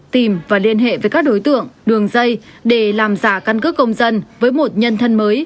tìm và liên hệ với các đối tượng đường dây để làm giả căn cứ công dân với một nhân thân mới